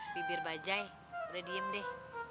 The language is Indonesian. bibir bajai udah diem deh